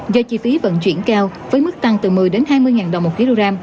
do chi phí vận chuyển cao với mức tăng từ một mươi hai mươi ngàn đồng một kg